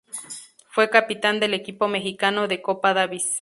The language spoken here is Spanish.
Fue capitán del equipo mexicano de Copa Davis.